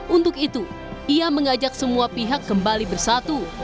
untuk itu ia mengajak semua pihak kembali bersatu